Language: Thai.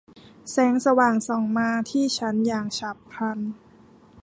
แสงสว่างส่องมาที่ฉันอย่างฉับพลัน